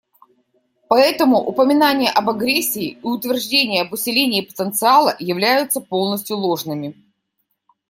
Поэтому упоминания об агрессии и утверждения об усилении потенциала являются полностью ложными.